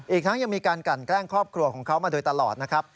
อีกทั้งยังมีการกันแกล้งครอบครัวของเขามาโดยตลอดนะครับ